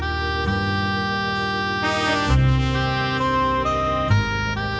ไม่คิดว่าสงสัยจะถูกลงไป